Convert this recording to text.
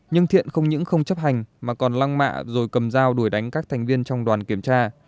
nhưng thiện không những không chấp hành mà còn lăng mạ rồi cầm dao đuổi đánh các thành viên trong đoàn kiểm tra